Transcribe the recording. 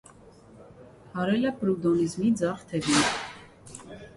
Հարել է պրուդոնիզմի ձախ թևին։